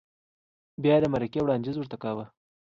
بیا یې د مرکې وړاندیز ورته کاوه؟